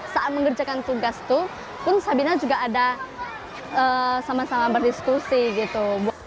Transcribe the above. saat mengerjakan tugas itu pun sabina juga ada sama sama berdiskusi gitu